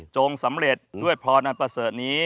สำเร็จด้วยพรอันประเสริฐนี้